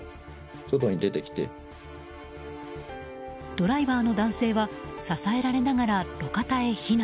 ドライバーの男性は支えられながら路肩へ避難。